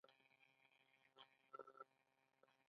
آیا د میلمه په مخ کې خندل پکار نه دي؟